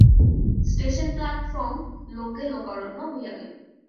Station platform লোকে লোকারণ্য হইয়া গেল।